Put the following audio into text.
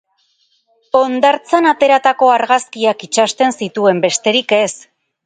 Hondartzan ateratako argazkiak itsasten zituen, besterik ez.